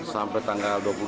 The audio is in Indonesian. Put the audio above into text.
sampai tanggal dua puluh enam